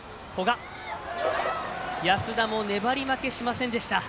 安田も粘り負けしませんでした。